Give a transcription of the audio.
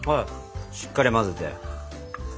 しっかり混ぜて。